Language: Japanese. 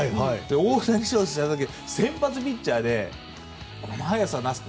大谷翔平選手だけ先発ピッチャーでこの速さを出すって。